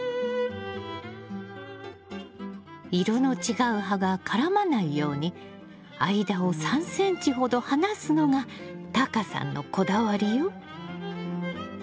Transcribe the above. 色の違う葉が絡まないように間を３ｃｍほど離すのがタカさんのこだわりよ。